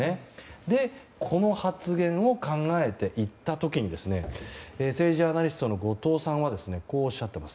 で、この発言を考えていった時に政治ジャーナリストの後藤さんはこうおっしゃっています。